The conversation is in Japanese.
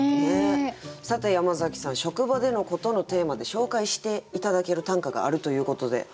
さて山崎さん「職場でのこと」のテーマで紹介して頂ける短歌があるということで。